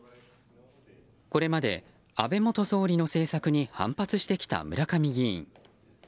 これまで、安倍元総理の政策に反発してきた村上議員。